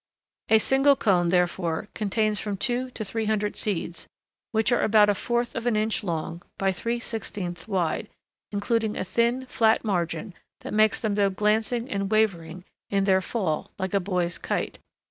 A single cone, therefore, contains from two to three hundred seeds, which are about a fourth of an inch long by three sixteenths wide, including a thin, flat margin that makes them go glancing and wavering in their fall like a boy's kite.